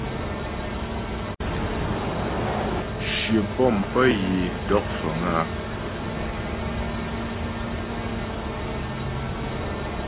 Shyə pɔ̂m pə́ yə é dɔk fəŋ áa.